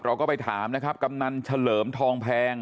เราก็ไปถามนะครับกำนันเฉลิมทองแพง